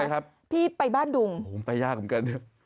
อะไรครับพี่ไปบ้านดุงโหมันไปยากเหมือนกัน